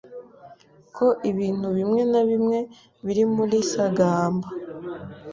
ko ibintu bimwe na bimwe biri muri sagamba